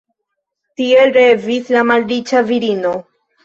Tiel revis la malriĉa virino.